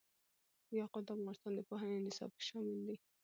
یاقوت د افغانستان د پوهنې نصاب کې شامل دي.